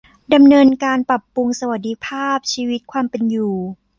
ดำเนินการปรับปรุงสวัสดิภาพชีวิต ความเป็นอยู่